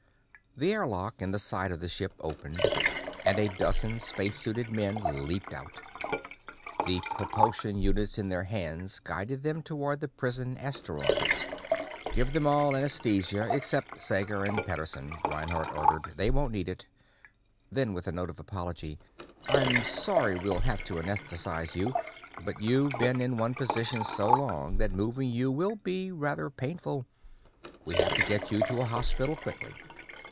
The airlock in the side of the ship opened, and a dozen spacesuited men leaped out. The propulsion units in their hands guided them toward the prison asteroids. "Give them all anaesthetic except Sager and Pederson," Reinhardt ordered. "They won't need it." Then, with a note of apology, "I'm sorry we'll have to anaesthetize you, but you've been in one position so long that moving you will be rather painful. We have to get you to a hospital quickly."